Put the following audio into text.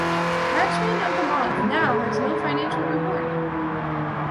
Matchman Of The Month now has no financial reward.